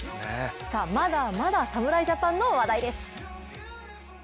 まだまだ侍ジャパンの話題です。